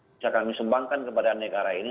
bisa kami sumbangkan kepada negara ini